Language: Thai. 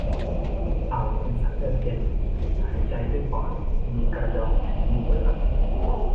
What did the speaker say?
เต่าเป็นสัตว์เลือดเย็น หายใจด้วยปอด มีกระดองแข็งอยู่บนหลัง